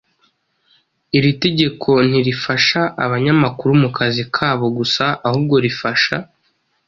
Iri tegeko ntirifasha abanyamakuru mu kazi kabo gusa, ahubwo rifasha